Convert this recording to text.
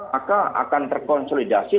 maka akan terkonsolidasi